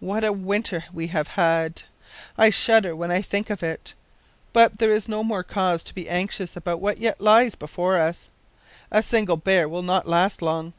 What a winter we have had! I shudder when I think of it. But there is more cause to be anxious about what yet lies before us. A single bear will not last long.